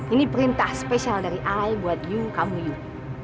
ini perintah spesial dari alai buat yuk kamu yuk